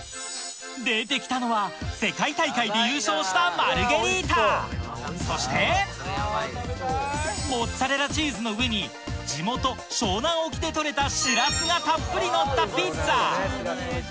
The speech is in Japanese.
出て来たのは世界大会で優勝したそしてモッツァレラチーズの上に地元湘南沖で取れたシラスがたっぷりのったピッツァ